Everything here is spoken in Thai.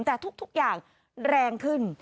แต่ทุกอย่างแรงขึ้น